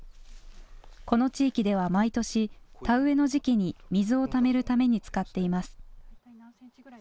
この地域では毎年、田植えの時期に水をためるために使っています。